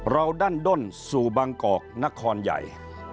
ดั้นด้นสู่บางกอกนครใหญ่